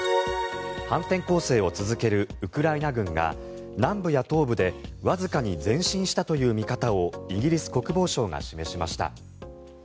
反転攻勢を続けるウクライナ軍が南部や東部でわずかに前進したという見方をイギリス国防省が示しました。